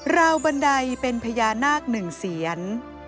ราวบันไดเป็นพญานาคหนึ่งเซียน